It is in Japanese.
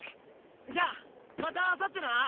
じゃまたあさってな。